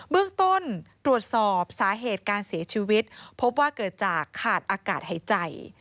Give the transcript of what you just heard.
เบื้องต้นตรวจสอบสาเหตุการเสียชีวิตพบว่าเกิดจากขาดอากาศหายใจ